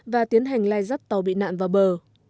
và tiến hành lai dắt tàu bị nạn vào bờ